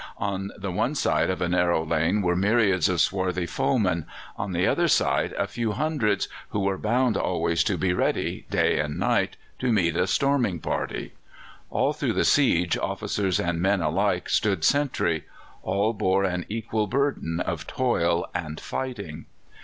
On the one side of a narrow lane were myriads of swarthy foemen, on the other side a few hundreds, who were bound always to be ready, day and night, to meet a storming party. All through the siege officers and men alike stood sentry; all bore an equal burden of toil and fighting.